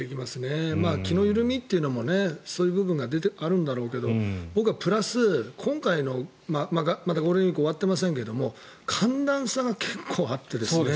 気の緩みというのもそういう部分があるんだろうけど僕はプラス、今回のまだゴールデンウィーク終わってませんが寒暖差が結構あってですね。